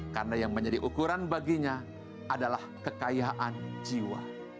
karena yang menjadi ukuran baginya adalah kekayaan jiwa